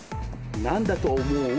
何だと思う？